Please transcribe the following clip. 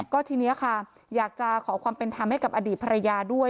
ก็ทีนี้ค่ะอยากจะขอความเป็นธรรมให้กับอดีตภรรยาด้วย